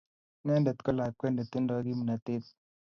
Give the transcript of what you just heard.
Inendet ko lakwet netindo kimnatet.